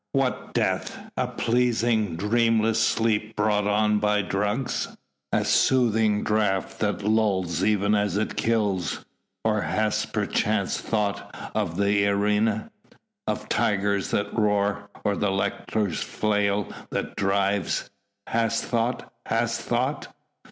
"What death? A pleasing, dreamless sleep brought on by drugs? A soothing draught that lulls even as it kills or hadst perchance thought of the arena?... of the tiger that roars?... or the lictor's flail that drives?... hadst thought ... hadst thought